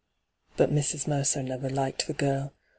But Mrs. Mercer never liked the girl.